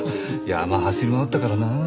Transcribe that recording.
山走り回ったからなあ。